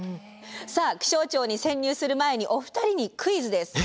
さあ気象庁に潜入する前にお二人にクイズです。